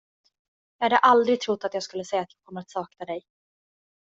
Jag hade aldrig trott att jag skulle säga att jag kommer att sakna dig.